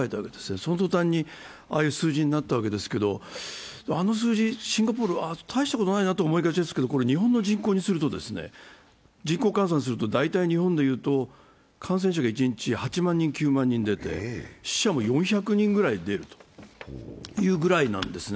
そのとたんに、ああいう数字になったわけですけど、あの数字、シンガポール、大したことないと思いがちですけど日本の人口に換算すると大体日本でいうと感染者が一日８万人、９万人出て死者も４００人ぐらい出るというぐらいなんですね。